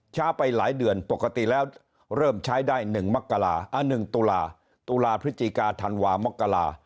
ไปหลายเดือนปกติแล้วเริ่มใช้ได้๑มกรา๑ตุลาตุลาพฤศจิกาธันวามกรา